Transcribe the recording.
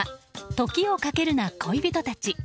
「時をかけるな、恋人たち」。